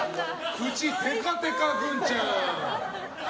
口テカテカ、グンちゃん！